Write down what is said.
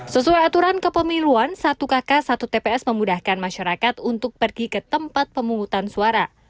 sesuai aturan kepemiluan satu kakak satu tps memudahkan masyarakat untuk pergi ke tempat pemungutan suara